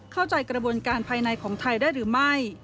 เข้าใจกระบวนการภายในของไทยได้หรือไม่